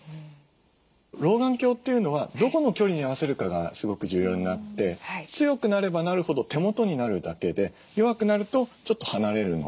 老眼鏡というのはどこの距離に合わせるかがすごく重要になって強くなればなるほど手元になるだけで弱くなるとちょっと離れるので。